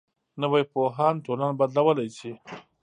نوی پوهاند ټولنه بدلولی شي